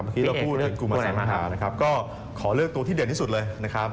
พี่เอกเลือกตัวไหนมาครับขอเลือกตัวที่เด่นที่สุดเลยนะครับ